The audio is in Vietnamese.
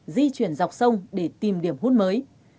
di chuyển dọc sông để tìm điểm hút mới